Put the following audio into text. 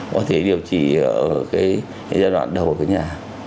có thể điều trị ở cái giai đoạn đầu của nhà